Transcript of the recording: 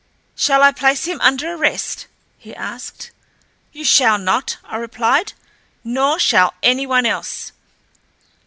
"Shall I place him under arrest?" he asked. "You shall not," I replied. "Nor shall anyone else."